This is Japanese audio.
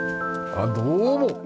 あっどうも。